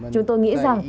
chúng tôi nghĩ rằng